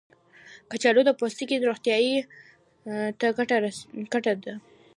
کچالو د پوستکي روغتیا ته ګټور دی.